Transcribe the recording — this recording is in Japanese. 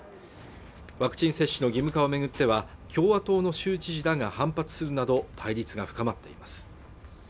ワクチン接種の義務化を巡っては共和党の州知事らが反発するなど対立が深まっています